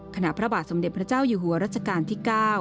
พระบาทสมเด็จพระเจ้าอยู่หัวรัชกาลที่๙